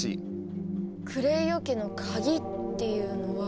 「クレイオ家の鍵」っていうのは？